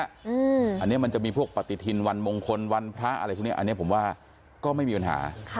อันนี้มันจะมีพวกปฏิทินวันมงคลวันพระอะไรพวกนี้อันนี้ผมว่าก็ไม่มีปัญหา